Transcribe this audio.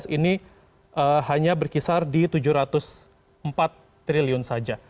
ini hanya berkisar di tujuh ratus empat triliun saja